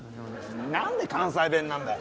なんで関西弁なんだよ。